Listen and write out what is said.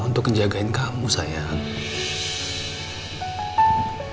untuk njagain kamu sayang